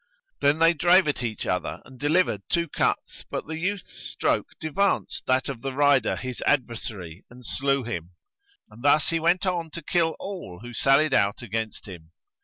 Then they drave at each other and delivered two cuts, but the youth's stroke devanced that of the rider his adversary and slew him: and thus he went on to kill all who sallied out against him.